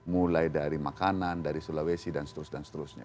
mulai dari makanan dari sulawesi dan seterusnya